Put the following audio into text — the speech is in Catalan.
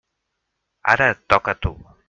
Ara et toca a tu.